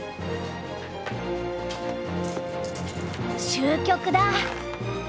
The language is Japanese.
終局だ。